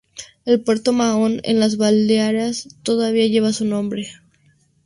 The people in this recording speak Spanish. El puerto de Mahón, en las Baleares, todavía lleva su nombre.